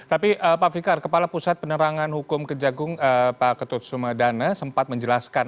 tapi pak fikar kepala pusat penerangan hukum kejagung pak ketut sumedana sempat menjelaskan